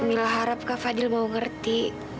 mila harap kak fadil mau ngerti